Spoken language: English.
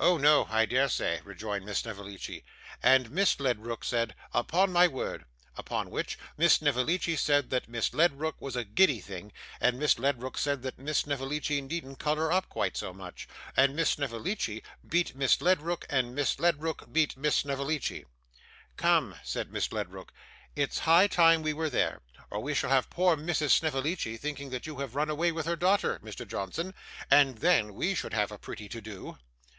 'Oh no! I dare say,' rejoined Miss Snevellicci. And Miss Ledrook said, 'Upon my word!' Upon which Miss Snevellicci said that Miss Ledrook was a giddy thing; and Miss Ledrook said that Miss Snevellicci needn't colour up quite so much; and Miss Snevellicci beat Miss Ledrook, and Miss Ledrook beat Miss Snevellicci. 'Come,' said Miss Ledrook, 'it's high time we were there, or we shall have poor Mrs. Snevellicci thinking that you have run away with her daughter, Mr. Johnson; and then we should have a pretty to do.